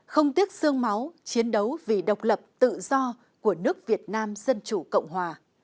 không tiếc sương máu chiến đấu vì độc lập tự do của nước việt nam dân chủ cộng hòa